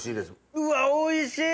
うわおいしい！